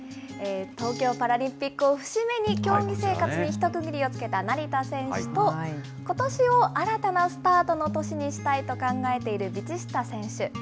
東京パラリンピックを節目に競技生活に一区切りをつけた成田選手と、ことしを新たなスタートの年にしたいと考えている道下選手。